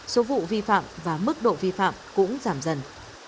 số vụ vi phạm và mức độ vi phạm cũng giảm dần